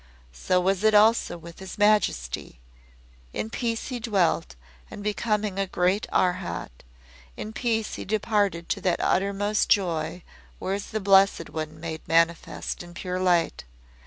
So was it also with His Majesty. In peace he dwelt, and becoming a great Arhat, in peace he departed to that Uttermost Joy where is the Blessed One made manifest in Pure Light.